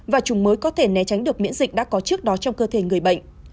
và chủng mới có thể né tránh được miễn dịch đã có trước đó trong cơ thể người bệnh